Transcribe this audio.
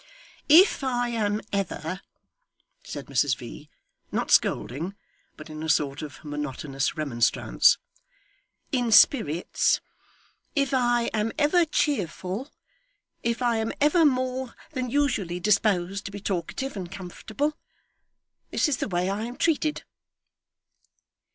'If I am ever,' said Mrs V. not scolding, but in a sort of monotonous remonstrance 'in spirits, if I am ever cheerful, if I am ever more than usually disposed to be talkative and comfortable, this is the way I am treated.